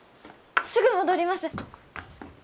すぐ戻ります。